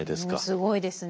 すごいですね。